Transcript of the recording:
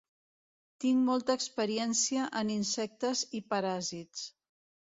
Tinc molta experiència en insectes i paràsits